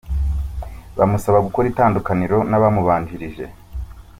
Bamusaba gukora itandukaniro n’abamubanjirije.